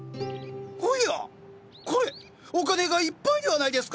おやこれお金がいっぱいではないですか！